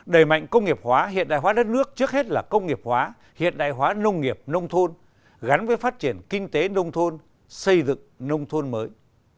đẩy mạnh công nghiệp hóa hiện đại hóa đất nước trước hết là công nghiệp hóa hiện đại hóa nông nghiệp nông thôn gắn với phát triển kinh tế nông thôn xây dựng nông thôn mới